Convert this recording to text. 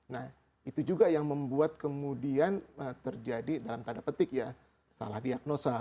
nah itu juga yang membuat kemudian terjadi dalam tanda petik ya salah diagnosa